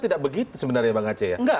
tidak begitu sebenarnya bang aceh ya